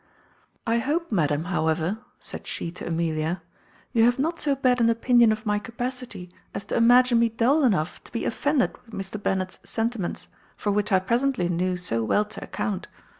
"I hope, madam, however," said she to Amelia, "you have not so bad an opinion of my capacity as to imagine me dull enough to be offended with Mr. Bennet's sentiments, for which I presently knew so well to account.